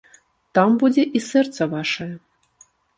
Там будзе і сэрца вашае.